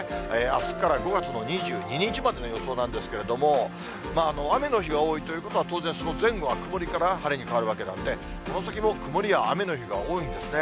あすから５月の２２日までの予想なんですけれども、雨の日が多いということは、当然、その前後は曇りから晴れに変わるわけなんで、この先も、曇りや雨の日が多いんですね。